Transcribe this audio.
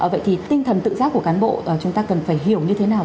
vậy thì tinh thần tự giác của cán bộ chúng ta cần phải hiểu như thế nào